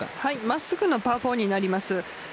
真っすぐのパー４になります。